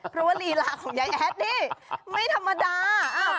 เพราะว่าลีลาของยายแอดนี่ไม่ธรรมดา